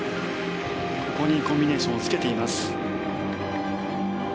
ここにコンビネーションをつけています。